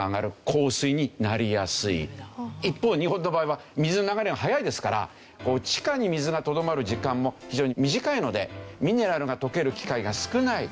一方日本の場合は水の流れが速いですから地下に水がとどまる時間も非常に短いのでミネラルが溶ける機会が少ない。